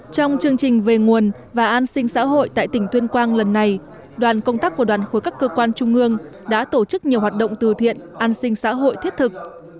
trong chương trình về nguồn và an sinh xã hội tại tỉnh tuyên quang lần này đoàn công tác của đoàn khối các cơ quan trung ương đã tổ chức nhiều hoạt động từ thiện an sinh xã hội thiết thực